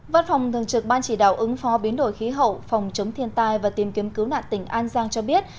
văn phòng thường trực ban chỉ đạo ứng phó biến đổi khí hậu phòng chống thiên tai và tìm kiếm cứu nạn tỉnh an giang cho biết